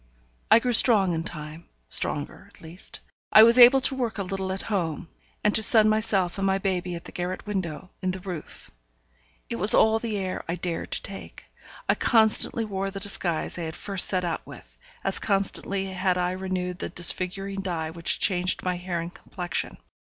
I grew strong in time stronger, at least. I was able to work a little at home, and to sun myself and my baby at the garret window in the roof. It was all the air I dared to take. I constantly wore the disguise I had first set out with; as constantly had I renewed the disfiguring dye which changed my hair and complexion.